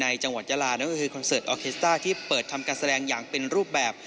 จังหวัดยาลานั่นก็คือคอนเสิร์ตออเคสต้าที่เปิดทำการแสดงอย่างเป็นรูปแบบ